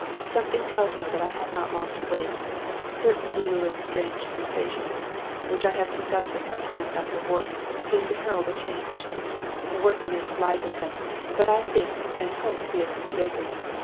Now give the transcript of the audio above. "Something tells me that I have not long to wait. Certain new and strange sensations, which I have discussed with my friend Dr. Wharton, seem to herald a change. Wharton makes light of them, but I think and hope he is mistaken.